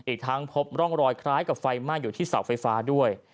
อีกทั้งพบร่องรอยคล้ายกับไฟไหม้อยู่ที่เสาไฟฟ้าด้วย